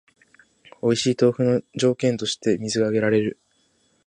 おいしい豆腐の条件として水が挙げられる